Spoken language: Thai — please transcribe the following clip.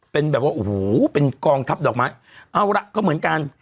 เป็นแบบว่าโอ้โหเป็นกองทัพดอกไม้เอาละก็เหมือนกัน